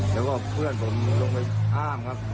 แล้วก็เพื่อนผมลงไปห้ามครับ